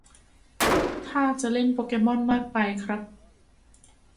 ท่าจะเล่นโปเกม่อนมากไปครับ